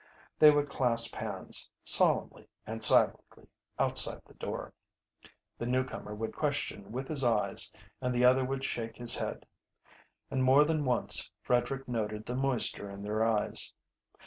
They would clasp hands, solemnly and silently, outside the door. The newcomer would question with his eyes, and the other would shake his head. And more than once Frederick noted the moisture in their eyes.